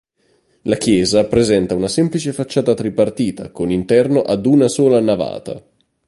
La chiesa presenta una semplice facciata tripartita con interno ad una sola navata.